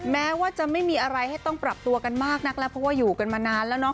แม้ว่าจะไม่มีอะไรให้ต้องปรับตัวกันมากนักแล้วเพราะว่าอยู่กันมานานแล้วเนาะ